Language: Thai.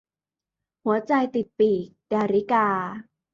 หัวใจติดปีก - ดาริกา